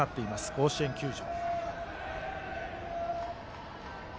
甲子園球場。